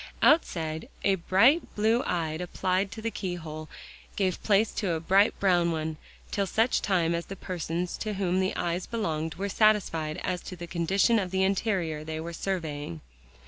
Outside, a bright blue eye applied to the keyhole, gave place to a bright brown one, till such time as the persons to whom the eyes belonged, were satisfied as to the condition of the interior they were surveying.